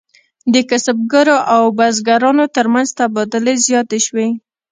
د کسبګرو او بزګرانو ترمنځ تبادلې زیاتې شوې.